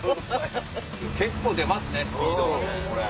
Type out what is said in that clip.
結構出ますねスピードこれ。